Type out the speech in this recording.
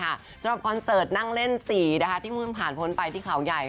สำหรับคอนเซิร์ตนั่งเล่นสี่ที่มึงผ่านพนไปที่เขาใหญ่